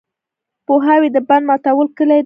پوهاوی د بند ماتولو کلي ده.